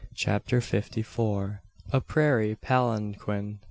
CHAPTER FIFTY FOUR. A PRAIRIE PALANQUIN.